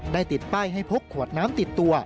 ติดป้ายให้พกขวดน้ำติดตัว